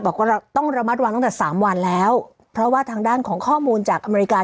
บอกว่าเราต้องระมัดระวังตั้งแต่สามวันแล้วเพราะว่าทางด้านของข้อมูลจากอเมริกา